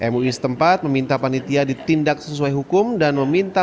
mui setempat meminta panitia ditindak sesuai hukum dan meminta